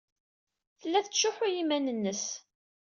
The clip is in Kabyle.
Tella tettcuḥḥu i yiman-nnes.